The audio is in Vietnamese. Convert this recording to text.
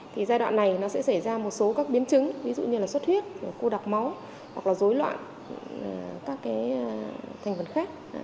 thì giai đoạn này nó sẽ xảy ra một số các biến chứng ví dụ như là xuất huyết khô đặc máu hoặc là rối loạn các cái thành phần khác